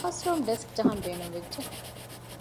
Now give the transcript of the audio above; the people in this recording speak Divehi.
ކްލާސްރޫމް ޑެސްކް ޖަހަން ބޭނުން ވެއްޖެއެވެ.